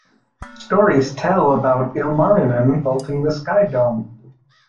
Stories tell about Ilmarinen vaulting the sky-dome.